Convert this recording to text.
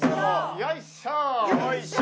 よいしょ！